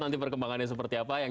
nanti perkembangannya seperti apa